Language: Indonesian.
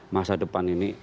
masa depan ini